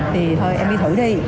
thì thôi em đi thử đi